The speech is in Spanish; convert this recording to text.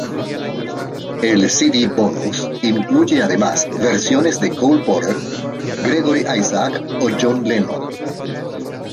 El Cd bonus incluye además versiones de Cole Porter, Gregory Isaacs o John Lennon.